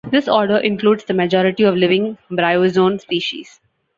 This order includes the majority of living bryozoan species.